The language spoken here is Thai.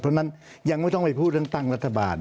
เพราะฉะนั้นยังไม่ต้องไปพูดเรื่องตั้งรัฐบาล